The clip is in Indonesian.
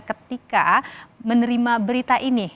ketika menerima berita ini